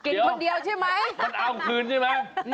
กินคนเดียวใช่ไหมเดี๋ยวมันเอาคืนใช่ไหม